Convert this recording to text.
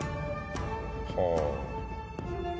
はあ。